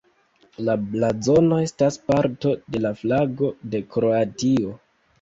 La blazono estas parto de la flago de Kroatio.